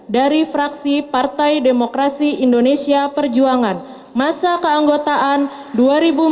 dari fraksi partai demokrasi indonesia perjuangan dewan perwakilan rakyat republik indonesia